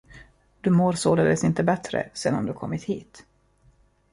Du mår således inte bättre, sedan du kommit hit?